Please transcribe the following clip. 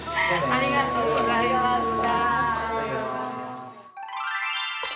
ありがとうございます。